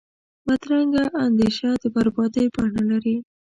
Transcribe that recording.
بدرنګه اندیشه د بربادۍ بڼه لري